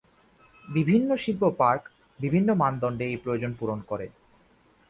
বিভিন্ন শিল্প পার্ক বিভিন্ন মানদণ্ডে এই প্রয়োজন পূরণ করে।